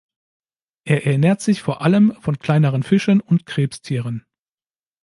Er ernährt sich vor allem von kleineren Fischen und Krebstieren.